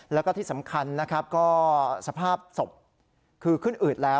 แล้วก็ที่สำคัญนะครับก็สภาพศพคือขึ้นอืดแล้ว